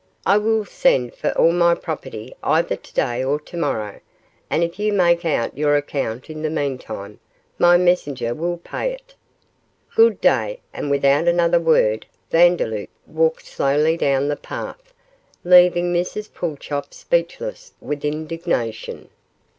I will send for all my property either today or to morrow, and if you make out your account in the meantime, my messenger will pay it. Good day!' and without another word Vandeloup walked slowly off down the path, leaving Mrs Pulchop speechless with indignation.